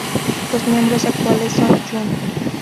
Los miembros actuales son Jun.